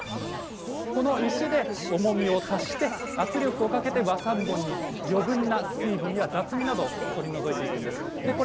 この石で重みを足して圧力をかけて和三盆に余分な水分や雑味など取り除いていくんです。